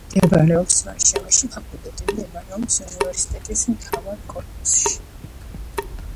მდებარეობს ვარშავაში, ფაკულტეტი მდებარეობს უნივერსიტეტის მთავარ კორპუსში.